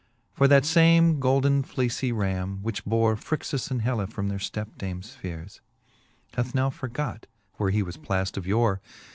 For that fame golden fleecy ram, which bore Phrixus and Helle from their ftepdames feares, Hath .now forgot, where he was plaft of yore